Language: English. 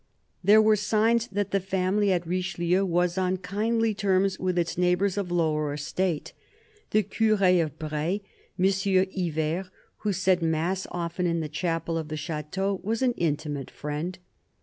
There are signs that the family at Richelieu was on kindly terms with its neighbours of lower estate. The cure of Braye, M. Yver, who said mass often in the chapel of the chateau, was an intimate friend.